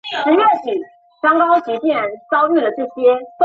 多果雪胆为葫芦科雪胆属下的一个变种。